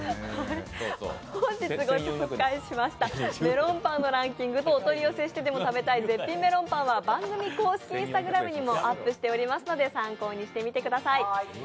本日ご紹介しましたメロンパンのランキングとお取り寄せしてでも食べたい絶品メロンパンは番組公式Ｉｎｓｔａｇｒａｍにもアップしておりますので参考にしてください。